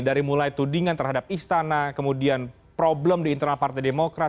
dari mulai tudingan terhadap istana kemudian problem di internal partai demokrat